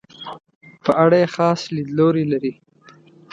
په اړه یې خاص لیدلوری لري.